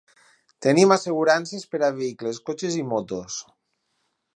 Tenim assegurances per a vehicles, cotxes i motos.